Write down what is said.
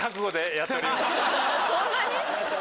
そんなに？